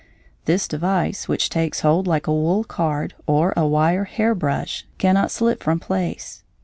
This device, which takes hold like a wool card, or a wire hair brush, cannot slip from place.